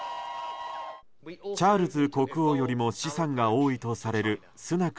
チャールズ国王よりも資産が多いとされるスナク